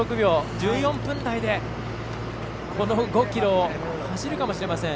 １４分台でこの５ｋｍを走るかもしれません。